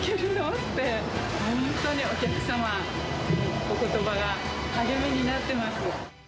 って、本当にお客様のおことばが励みになってます。